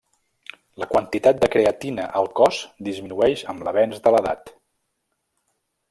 La quantitat de creatina al cos disminueix amb l'avenç de l'edat.